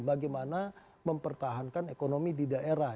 bagaimana mempertahankan ekonomi di daerah